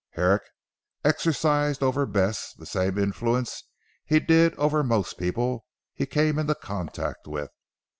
Herrick exercised over Bess, the same influence he did over most people he came into contact with.